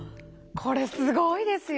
これすごいですよ！